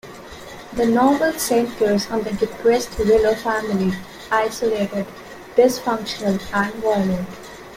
The novel centers on the depressed Willow family, isolated, dysfunctional and violent.